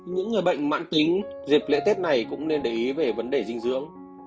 những người bệnh mãn tính dịp lễ tết này cũng nên để ý về vấn đề dinh dưỡng